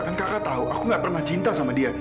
kan kakak tahu aku gak pernah cinta sama dia